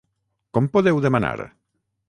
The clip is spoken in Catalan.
Com podeu demanar??